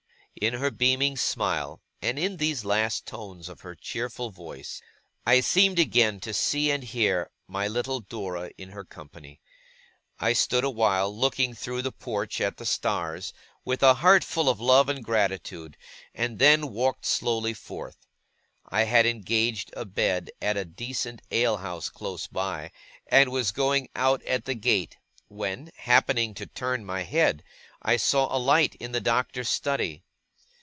In her beaming smile, and in these last tones of her cheerful voice, I seemed again to see and hear my little Dora in her company. I stood awhile, looking through the porch at the stars, with a heart full of love and gratitude, and then walked slowly forth. I had engaged a bed at a decent alehouse close by, and was going out at the gate, when, happening to turn my head, I saw a light in the Doctor's study.